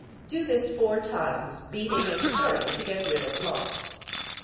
Do this four times, beating and stirring to get rid of lumps.